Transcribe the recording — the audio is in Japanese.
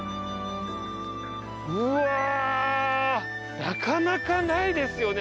うわぁなかなかないですよね